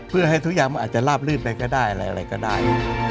เพื่อให้ทุกอย่างมันอาจจะลาบลืดอะไรก็ได้